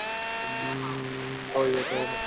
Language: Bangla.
এই, ওটা আমার ছিল!